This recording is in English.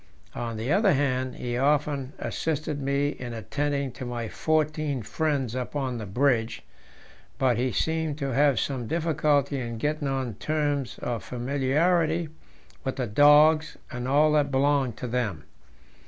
On the other hand, he often assisted me in attending to my fourteen friends up on the bridge; but he seemed to have some difficulty in getting on terms of familiarity with the dogs and all that belonged to them.